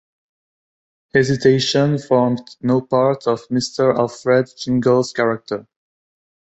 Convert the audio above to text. Hesitation formed no part of Mr. Alfred Jingle’s character.